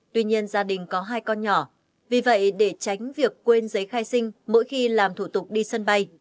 tuy nhiên gia đình có hai con nhỏ vì vậy để tránh việc quên giấy khai sinh mỗi khi làm thủ tục đi sân bay